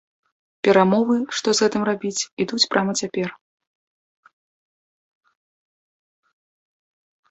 Перамовы, што з гэтым рабіць, ідуць прама цяпер.